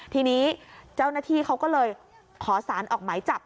ทีนี้เจ้าหน้าที่เขาก็เลยขอสารออกหมายจับ